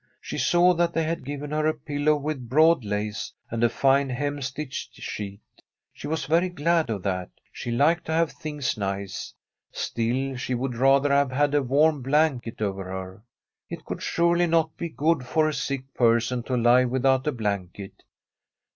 She saw that they had given her a pillow with broad lace, and a fine hem stitched I4i] From M SWEDISH HOMESTEAD sheet. She was veiy glad of that ; she liked to have things nice. Still, she would rather have had a warm blanket over her. It could surely not be good for a sick person to lie without a blanket.